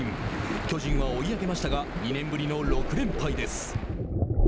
巨人は追い上げましたが２年ぶりの６連敗です。